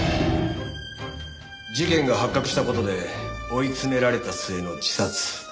事件が発覚した事で追い詰められた末の自殺。